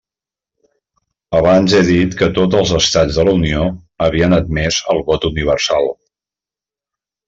Abans he dit que tots els estats de la Unió havien admès el vot universal.